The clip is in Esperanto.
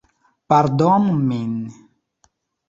Pardonu min.